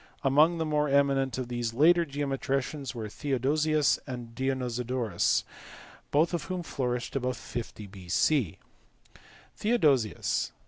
Amongst the more eminent of these later geometricians were Theodosius and Dionysodorus, both of whom flourished about 50 B.C. Theodosius.